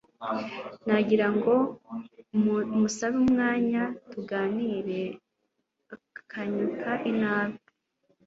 nagira ngo musabe umwanya tuganire akanyuka inabi